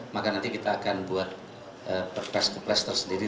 maka nanti kita akan buat perpres kepres tersendiri